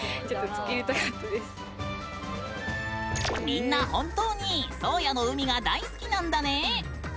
みんな本当に宗谷の海が大好きなんだね。